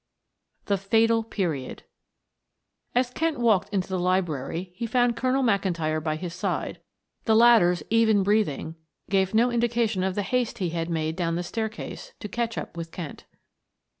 THE FATAL PERIOD As Kent walked into the library he found Colonel McIntyre by his side; the latter's even breathing gave no indication of the haste he had made down the staircase to catch up with Kent.